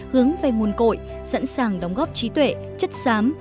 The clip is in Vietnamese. hướng về nguồn cội sẵn sàng đóng góp trí tuệ chất xám